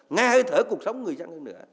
ngay hơi thở cuộc sống người dân nữa